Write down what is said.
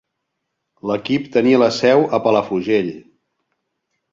L'equip tenia la seu a Palafrugell.